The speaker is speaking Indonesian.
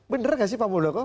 bener gak sih pak muldoko